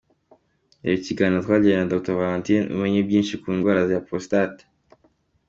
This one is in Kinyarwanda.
Reba ikiganiro twagiranye na Dr Valentine umenye byinshi ku indwara ya Prostate.